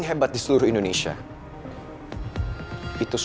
maafin didi ya mel